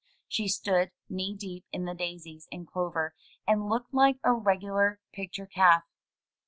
She stood knee deep in the daisies and clover, and looked like a regular picture calf.